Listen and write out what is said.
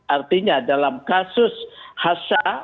artinya dalam kasus hasya